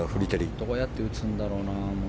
どうやって打つんだろうな。